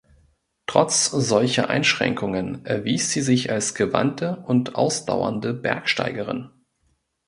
Trotz solcher Einschränkungen erwies sie sich als gewandte und ausdauernde Bergsteigerin.